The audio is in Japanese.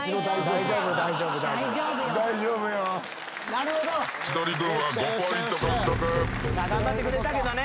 なるほど！頑張ってくれたけどね。